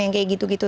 yang kayak gitu gitu